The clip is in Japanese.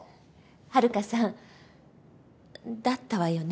ハルカさんだったわよね？